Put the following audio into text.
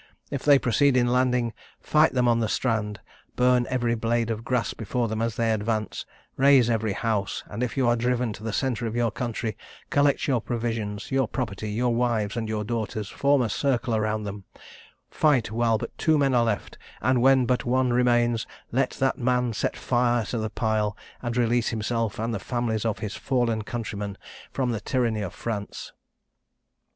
If they proceed in landing, fight them on the strand, burn every blade of grass before them as they advance raze every house; and if you are driven to the centre of your country, collect your provisions, your property, your wives, and your daughters; form a circle around them fight while but two men are left; and when but one remains, let that man set fire to the pile, and release himself, and the families of his fallen countrymen, from the tyranny of France.